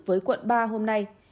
với quận ba hôm nay